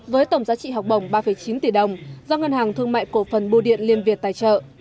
với tổng giá trị học bổng ba chín tỷ đồng do ngân hàng thương mại cổ phần bưu điện liên việt tài trợ